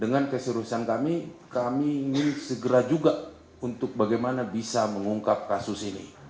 dengan keseriusan kami kami ingin segera juga untuk bagaimana bisa mengungkap kasus ini